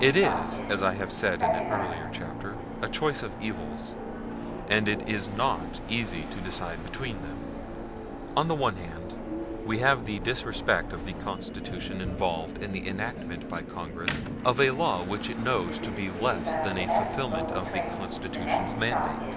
It is, as I have said in an early chapter, a choice of evils; and it is not easy to decide between them. On the one hand, we have the disrespect of the Constitution involved in the enactment by Congress of a law which it knows to be less than a fulfilment of the Constitution's mandate.